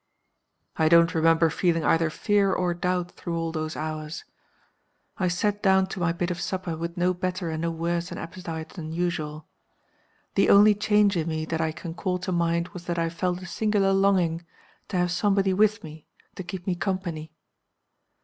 "I don't remember feeling either fear or doubt through all those hours. I sat down to my bit of supper with no better and no worse an appetite than usual. The only change in me that I can call to mind was that I felt a singular longing to have somebody with me to keep me company.